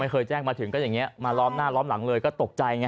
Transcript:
เคยแจ้งมาถึงก็อย่างนี้มาล้อมหน้าล้อมหลังเลยก็ตกใจไง